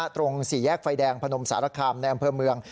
ตรงสี่แยกไฟแดงพนมสารคามในอำเภอเมือง